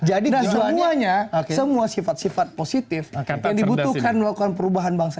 jadi semuanya semua sifat sifat positif yang dibutuhkan melakukan perubahan bangsa